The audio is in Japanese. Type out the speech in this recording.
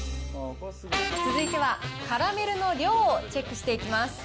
続いてはカラメルの量をチェックしていきます。